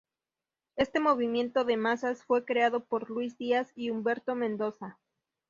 Este movimiento de masas fue creado por Luis Diaz y Humberto Mendoza.